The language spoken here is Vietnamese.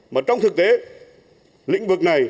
mà trong thực tế lĩnh vực này